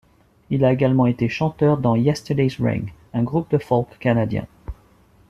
Il a également été chanteur dans Yesterday's Ring, un groupe de folk canadien.